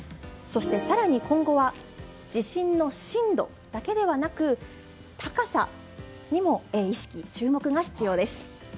そして、更に今後は地震の震度だけではなく高さにも意識、注目が必要です。